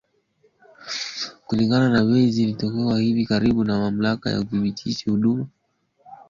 Kulingana na bei zilizotangazwa hivi karibuni na Mamlaka ya Udhibiti wa Huduma za Nishati na Maji kuanzia Aprili sita